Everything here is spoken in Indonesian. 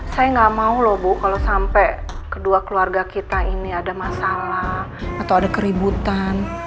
saya nggak mau loh bu kalau sampai kedua keluarga kita ini ada masalah atau ada keributan